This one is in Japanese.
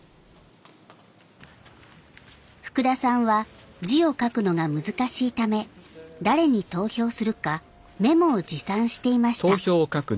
福田さんは字を書くのが難しいため誰に投票するかメモを持参していました。